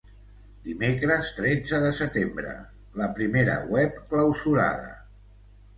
Dimecres, tretze de setembre – La primera web clausurada.